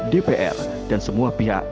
dpr dan semua pihak